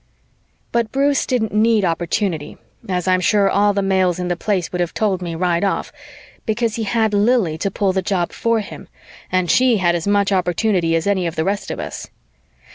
But Bruce didn't need opportunity, as I'm sure all the males in the Place would have told me right off, because he had Lili to pull the job for him and she had as much opportunity as any of the rest of us.